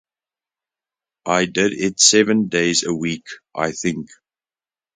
I did it seven days a week, I think.